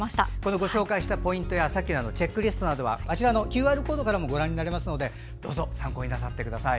ご紹介したポイントやチェックリストなどはＱＲコードからもご覧になれますのでどうぞ参考になさってください。